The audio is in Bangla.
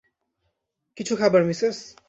কিছু খাবার, মিসেস।